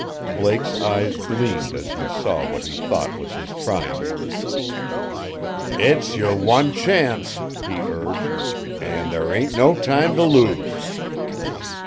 Blake's eyes gleamed as he saw what he thought was his triumph. "IT'S your one chance," he urged. "And there ain't no time to lose."